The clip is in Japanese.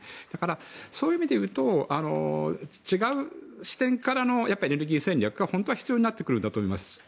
だから、そういう意味でいうと違う視点からのエネルギー戦略が本当は必要になってるんだと思います。